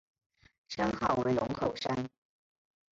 山号为龙口山。